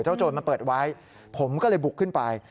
โจรมันเปิดไว้ผมก็เลยบุกขึ้นไป